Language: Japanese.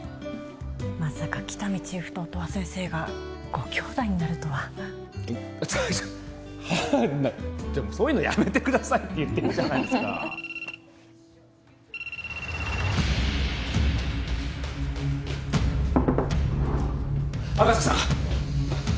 まさか喜多見チーフと音羽先生がご兄弟になるとはちょっちょっとそういうのやめてくださいって言ってるじゃないですか赤塚さん！